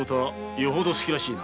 よほど好きらしいな。